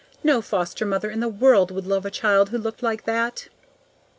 No foster mother in the world would love a child who looked like that.